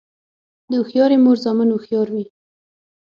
د هوښیارې مور زامن هوښیار وي.